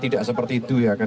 tidak seperti itu ya